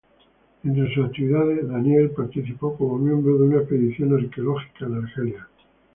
Entre sus actividades, Daniel participó como miembro de una expedición arqueológica en Argelia.